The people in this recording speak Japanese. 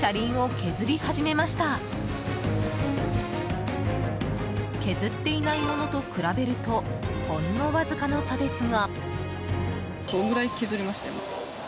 削っていないものと比べるとほんのわずかの差ですが。